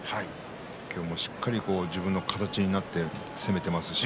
今日もしっかり自分の形になって攻めていますし